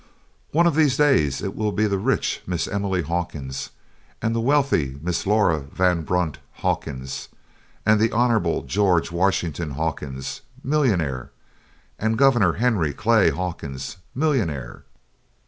One of these days it will be the rich Miss Emily Hawkins and the wealthy Miss Laura Van Brunt Hawkins and the Hon. George Washington Hawkins, millionaire and Gov. Henry Clay Hawkins, millionaire!